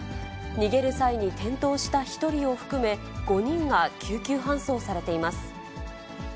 逃げる際に転倒した１人を含め、５人が救急搬送されています。